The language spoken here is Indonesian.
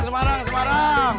semarang semarang semarang